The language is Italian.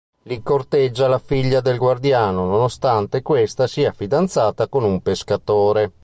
Lì corteggia la figlia del guardiano nonostante questa sia fidanzata con un pescatore.